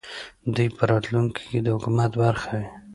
دوی په راتلونکې کې د حکومت برخه وي